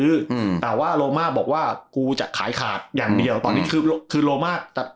อืมแต่ว่าโลมาบอกว่ากูจะขายขาดอย่างเดียวตอนนี้คือคือโลมาแต่